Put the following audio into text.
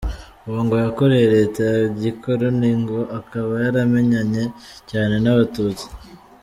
Uwo ngo yakoreye Leta ya gikoloni, ngo akaba yaramenyanye cyane n’abatutsi.